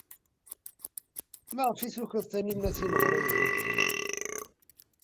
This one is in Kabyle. Maɣef ay tukeḍ Taninna timeɣriwin?